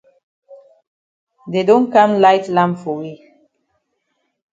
Dey don kam light lamp for we.